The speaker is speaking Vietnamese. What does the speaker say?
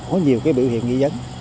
có nhiều cái biểu hiện nghi vấn